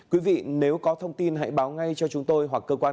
quý vị nếu có thông tin hãy báo ngay cho chúng tôi hoặc cơ quan công an